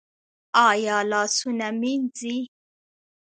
ایا لاسونه مینځي؟